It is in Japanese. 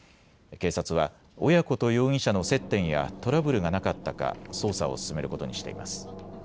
警察は親子と容疑者の接点やトラブルがなかったか捜査を進めることにしています。